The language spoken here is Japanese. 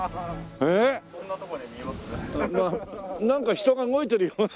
なんか人が動いてるよ。